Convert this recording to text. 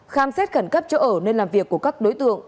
khám xét khẩn cấp chỗ ở nơi làm việc của các đối tượng